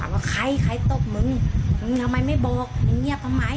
มาใครตบมึงทำไมไม่บอกอย่างเงียบทำไม